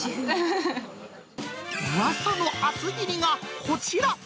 うわさの厚切りがこちら。